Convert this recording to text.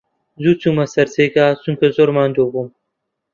زوو چوومە سەر جێگا، چونکە زۆر ماندوو بووم.